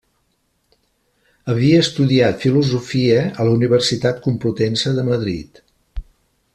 Havia estudiat filosofia a la Universitat Complutense de Madrid.